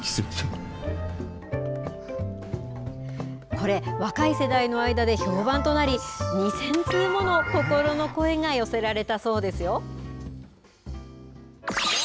これ、若い世代の間で評判となり２０００通もの心の声が寄せられたそうですよ。